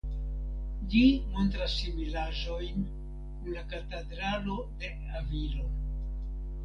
Ĝi montras similaĵojn kun la Katedralo de Avilo.